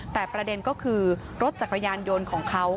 แต่ประเด็นก็คือรถจักรยานยนต์ของเขา